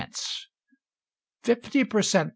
Fifty per cent.